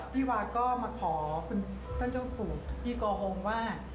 พี่วาก็มาขอคุณท่านเจ้าปู่พี่กอฮงว่า